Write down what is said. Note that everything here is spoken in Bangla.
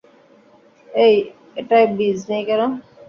এই এটায় বীজ নেই কেন?